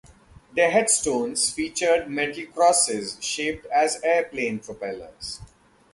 Their headstones featured metal crosses shaped as airplane propellers.